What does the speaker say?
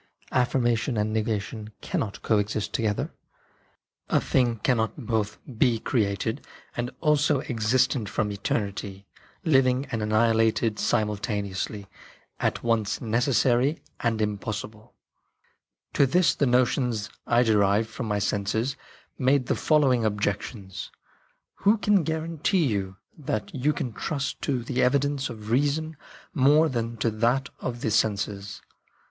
Affirmation and negation can not coexist together. A thing cannot both be created and also existent from eternity, living and annihilated simultaneously, at once necessary PHENOMENA OF DREAMS 17 and impossible.' " To this the notions I derived from my senses made the following objections :" Who can guarantee you that you can trust to the evidence of reason more than to that of the senses